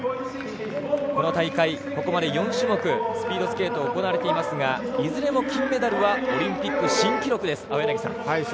この大会、ここまで４種目スピードスケート行われていますがいずれも金メダルはオリンピック新記録です。